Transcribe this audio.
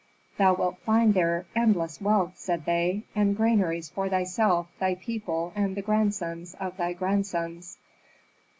"Thou wilt find there endless wealth," said they, "and granaries for thyself, thy people, and the grandsons of thy grandsons."